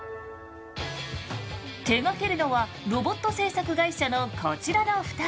手がけるのはロボット制作会社のこちらの２人。